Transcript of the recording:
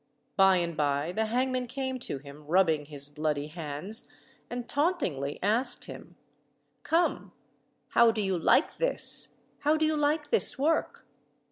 By and by the hangman came to him, rubbing his bloody hands, and tauntingly asked him, "Come, how do you like this how do you like this work?"